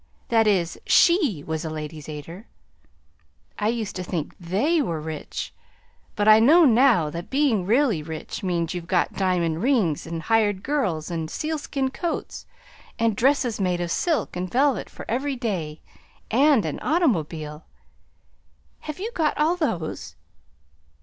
(That is, SHE was a Ladies' Aider.) I used to think THEY were rich, but I know now that being really rich means you've got diamond rings and hired girls and sealskin coats, and dresses made of silk and velvet for every day, and an automobile. Have you got all those?"